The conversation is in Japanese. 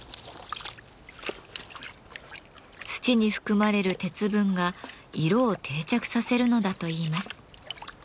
土に含まれる鉄分が色を定着させるのだといいます。